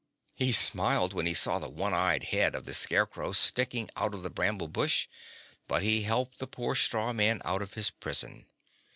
He smiled when he saw the one eyed head of the Scarecrow sticking out of the bramble bush, but he helped the poor straw man out of his prison.